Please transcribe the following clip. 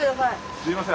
すいません。